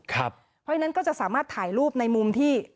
เพราะฉะนั้นก็จะสามารถถ่ายรูปในมุมที่